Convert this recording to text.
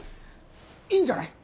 いいんじゃない？